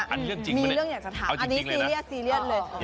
อันเรื่องจริงมั้ยเอาจริงเลยนะอันนี้ซีเรียสเลย